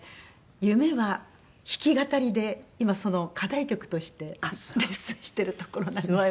夢は弾き語りで今その課題曲としてレッスンしてるところなんです。